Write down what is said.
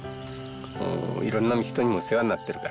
いろんな人にも世話になっているからね。